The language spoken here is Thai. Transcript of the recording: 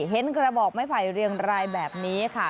กระบอกไม้ไผ่เรียงรายแบบนี้ค่ะ